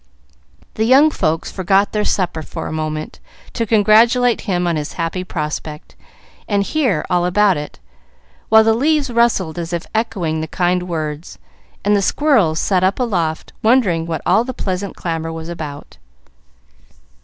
The young folks forgot their supper for a moment, to congratulate him on his happy prospect, and hear all about it, while the leaves rustled as if echoing the kind words, and the squirrels sat up aloft, wondering what all the pleasant clamor was about.